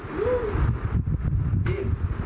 เจ้าหนว่าล้างให้โดดดิ